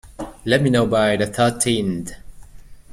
Let me know by the thirteenth.